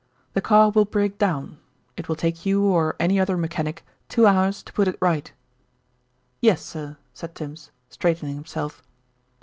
"The car will break down. It will take you or any other mechanic two hours to put it right." "Yessir," said Tims, straightening himself.